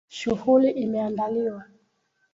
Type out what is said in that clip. Shughuli imeandaliwa.